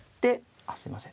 あすいません。